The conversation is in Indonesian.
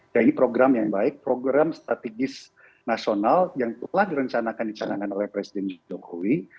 dan ini program yang baik program strategis nasional yang telah direncanakan oleh presiden jokowi